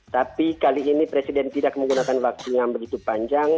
tapi kali ini presiden tidak menggunakan waktu yang begitu panjang